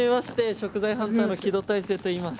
食材ハンターの木戸大聖といいます。